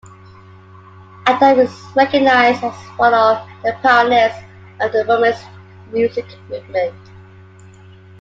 Adam is recognized as one of the pioneers of the women's music movement.